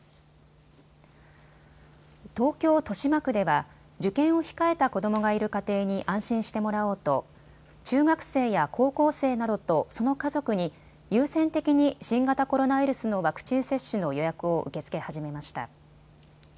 東京豊島区では受験を控えた子どもがいる家庭に安心してもらおうと中学生や高校生などとその家族に優先的に新型コロナウイルスのワクチン接種の予約を受け付け始めました。